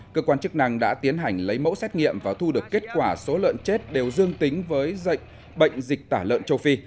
cơ quan chức năng đã tiến hành lấy mẫu xét nghiệm và thu được kết quả số lợn chết đều dương tính với bệnh dịch tả lợn châu phi